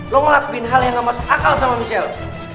lo ngelakuin hal yang gak masuk akal sama michelle